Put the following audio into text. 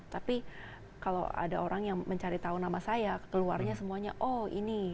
tapi kalau ada orang yang mencari tahu nama saya keluarnya semuanya oh ini